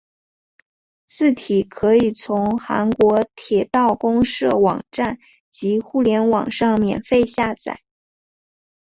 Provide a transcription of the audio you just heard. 字体可以从韩国铁道公社网站及互联网上免费下载。